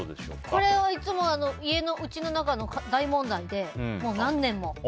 これはいつも、うちの中の大問題で、もう何年も。